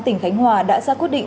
tỉnh khánh hòa đã ra quyết định